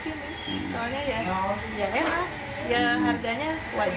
soalnya ya emang